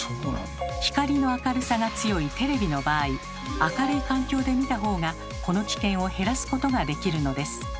光の明るさが強いテレビの場合明るい環境で見たほうがこの危険を減らすことができるのです。